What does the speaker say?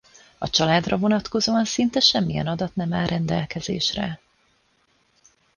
A családra vonatkozóan szinte semmilyen adat nem áll rendelkezésre.